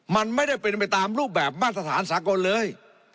มันไม่ได้เป็นไปตามรูปแบบมาตรฐานสากลเลย